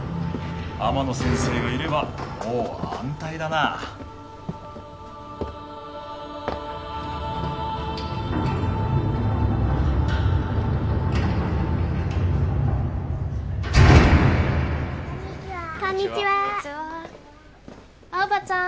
天野先生がいればもう安泰だなこんにちはこんにちは青葉ちゃん